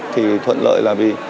thì thuận lợi là vì